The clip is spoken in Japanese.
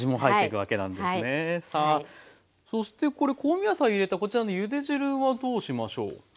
そしてこれ香味野菜を入れたこちらのゆで汁はどうしましょう？